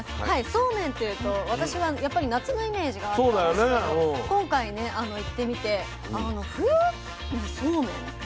そうめんっていうと私はやっぱり夏のイメージがあったんですけど今回ね行ってみて冬にそうめんって。